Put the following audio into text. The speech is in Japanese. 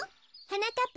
はなかっ